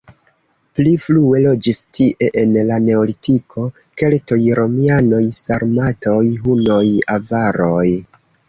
Pli frue loĝis tie en la neolitiko, keltoj, romianoj, sarmatoj, hunoj, avaroj.